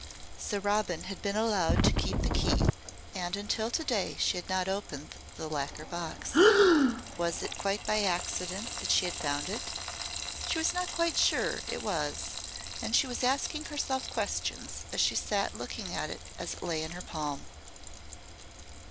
So Robin had been allowed to keep the key and until to day she had not opened the lacquer box. Was it quite by accident that she had found it? She was not quite sure it was and she was asking herself questions, as she sat looking at it as it lay in her palm.